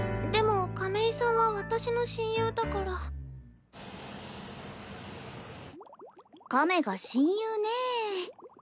でも亀井さんは私の親友だから。亀が親友ねぇ。